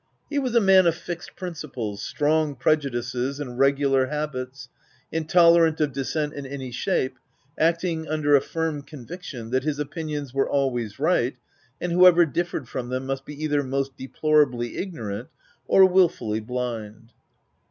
He was a man of fixed principles, strong prejudices, and regular habits, — intolerant of dissent in any shape, acting under a firm conviction that his opinions were always right, and whoever dif fered from them, must be, either most deplor ably ignorant, or wilfully blind.